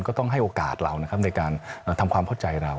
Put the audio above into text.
ต้องให้โอกาสเรานะครับในการทำความเข้าใจเรา